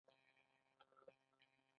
ډیزاین کوونکي درې ټکي په پام کې نیسي.